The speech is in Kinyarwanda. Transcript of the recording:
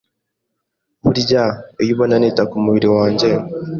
Burya iyo ubona nita ku mubiri wanjye